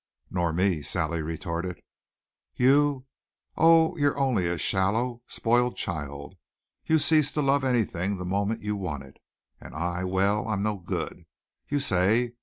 "Nor me," Sally retorted. "You! Oh, you're only a shallow spoiled child! You'd cease to love anything the moment you won it. And I well, I'm no good, you say.